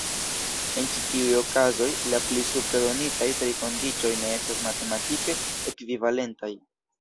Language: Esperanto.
En ĉi tiuj okazoj, la pli supre donitaj tri kondiĉoj ne estas matematike ekvivalentaj.